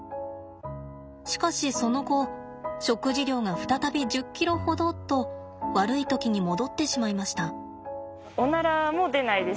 しかしその後食事量が再び１０ｋｇほどと悪い時に戻ってしまいました。